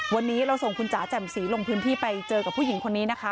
วันนี้เราส่งคุณจ๋าแจ่มสีลงพื้นที่ไปเจอกับผู้หญิงคนนี้นะคะ